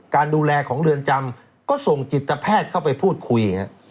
การดูแลของเรือนจำก็ส่งจิตแพทย์เข้าไปพูดคุย